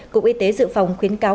cục y tế dự phòng khuyến cáo